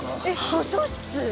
図書室